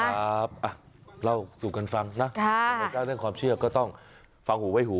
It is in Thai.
ครับเล่าสู่กันฟังนะธรรมชาติเรื่องความเชื่อก็ต้องฟังหูไว้หู